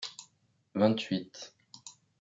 vingt-huit